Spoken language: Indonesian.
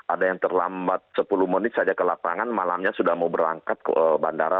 ada yang terlambat sepuluh menit saja ke lapangan malamnya sudah mau berangkat ke bandara